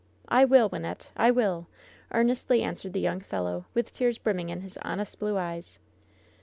"I will, Wynnette, I will!" earnestly answered the yoimg fellow, with tears brimming in his honest blue eyes.